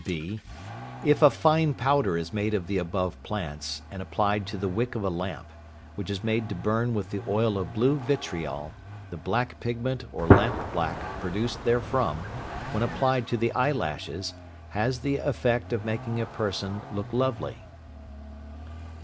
(b). If a fine powder is made of the above plants, and applied to the wick of a lamp, which is made to burn with the oil of blue vitrol, the black pigment or lamp black produced therefrom, when applied to the eye lashes, has the effect of making a person look lovely.